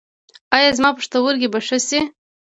ایا زما پښتورګي به ښه شي؟